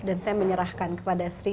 dan saya menyerahkan kepada sri